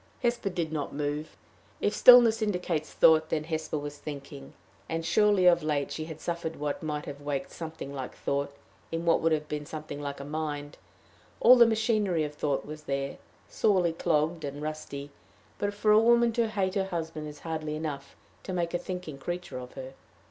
Hesper did not move. If stillness indicates thought, then Hesper was thinking; and surely of late she had suffered what might have waked something like thought in what would then have been something like a mind: all the machinery of thought was there sorely clogged, and rusty; but for a woman to hate her husband is hardly enough to make a thinking creature of her.